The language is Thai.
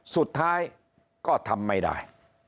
สุดท้ายก็ทำไม่ได้